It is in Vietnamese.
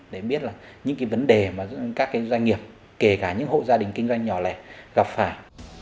để biết là những cái vấn đề mà các doanh nghiệp kể cả những hộ gia đình kinh doanh nhỏ lẻ gặp phải